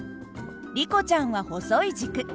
リコちゃんは細い軸。